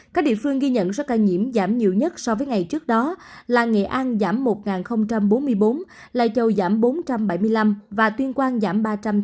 các địa phương ghi nhận số ca nhiễm giảm nhiều nhất so với ngày trước đó là nghệ an giảm một bốn mươi bốn lai châu giảm bốn trăm bảy mươi năm và tuyên quang giảm ba trăm tám mươi